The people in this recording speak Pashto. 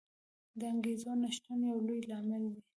د انګېزو نه شتون یو لوی لامل دی.